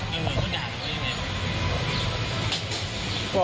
ยังเหมือนเขาด่ากันด้วยยังไงครับ